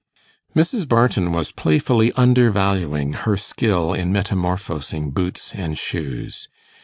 Mrs. Barton was playfully undervaluing her skill in metamorphosing boots and shoes.